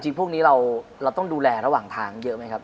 พวกนี้เราต้องดูแลระหว่างทางเยอะไหมครับ